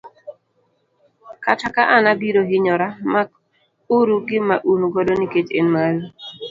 kata ka an abiro hinyora, mak uru gima un godo nikech en maru.